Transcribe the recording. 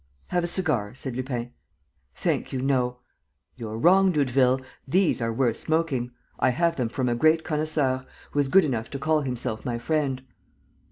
...!" "Have a cigar," said Lupin. "Thank you, no." "You're wrong, Doudeville. These are worth smoking. I have them from a great connoisseur, who is good enough to call himself my friend."